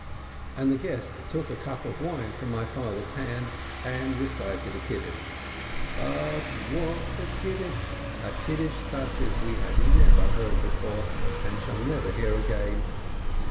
And the guest took the cup of wine from my father's hand, and recited a Kiddush. But what a Kiddush ! A Kiddush such as we had never heard before, and shall never hear again.